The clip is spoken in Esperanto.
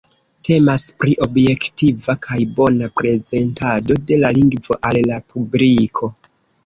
Temas pri objektiva kaj bona prezentado de la lingvo al la publiko.